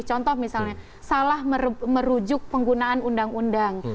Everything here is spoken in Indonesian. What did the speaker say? contoh misalnya salah merujuk penggunaan undang undang